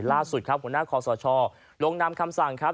ล่าสุดครับหัวหน้าคอสชลงนำคำสั่งครับ